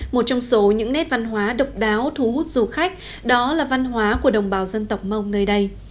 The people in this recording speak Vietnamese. một trong số những nét văn hóa độc đáo thú hút du khách đó là văn hóa của đồng bào dân tộc mông nơi đây